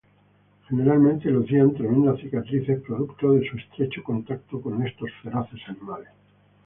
Generalmente lucían tremendas cicatrices, producto de su estrecho contacto con estos feroces animales.